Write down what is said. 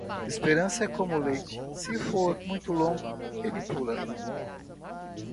Esperança é como leite: se for muito longo, ele pula.